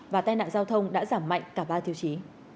và tai nạn giao thông đã giảm mạnh cả ba tiêu chí